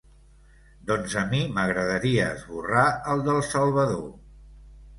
Doncs a mi m'agradaria esborrar el del Salvador.